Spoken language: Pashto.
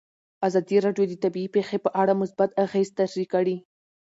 ازادي راډیو د طبیعي پېښې په اړه مثبت اغېزې تشریح کړي.